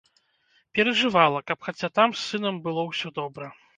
Перажывала, каб хаця там з сынам было ўсё добра.